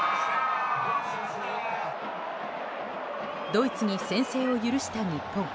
ドイツに先制を許した日本。